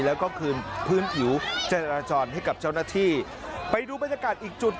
แล้วก็คืนพื้นผิวจราจรให้กับเจ้าหน้าที่ไปดูบรรยากาศอีกจุด